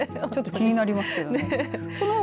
気になりますよね。